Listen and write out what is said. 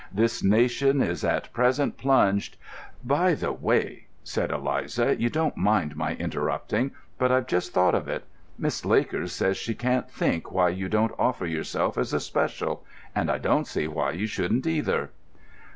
This nation is at present plunged——" "By the way," said Eliza, "you don't mind my interrupting, but I've just thought of it. Miss Lakers says she can't think why you don't offer yourself as a special, and I don't see why you shouldn't, either."